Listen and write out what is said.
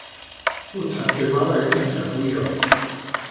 Ur ttḥettim ṛṛay-nnek ɣef wiyaḍ.